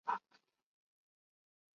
廪贡出身。